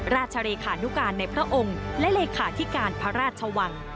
ราชเลขานุการในพระองค์และเลขาธิการพระราชวัง